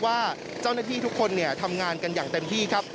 ว่าเจ้าหน้าที่ทุกคนทำงานกันอย่างเต็มที่ครับ